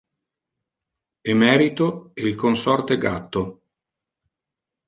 Emerito e il consorte gatto.